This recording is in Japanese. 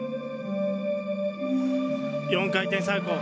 ４回転サルコー。